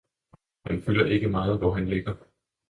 Han fylder ikke meget hvor han ligger!